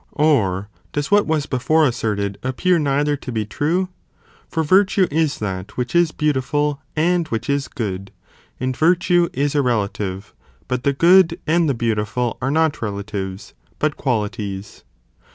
Or does what was before asserted appear neither to be true? for virtue is that which is beautiful and which is good, and virtue is a relative, but the good and the beautiful are not relatives, but qualities, sth. Itepectes